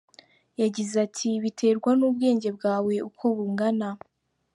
Yagize ati”Biterwa n’ubwenge bwawe uko bungana.